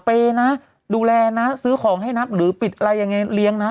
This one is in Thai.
เปย์นะดูแลนะซื้อของให้นับหรือปิดอะไรยังไงเลี้ยงนะ